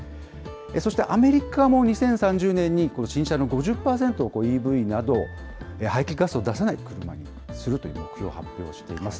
そしてアメリカも、２０３０年に新車の５０％をＥＶなど、排気ガスを出さない車にするという目標を発表しています。